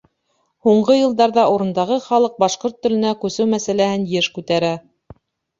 Һуңғы йылдарҙа урындағы халыҡ башҡорт теленә күсеү мәсьәләһен йыш күтәрә.